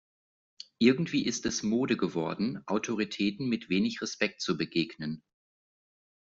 Irgendwie ist es Mode geworden, Autoritäten mit wenig Respekt zu begegnen.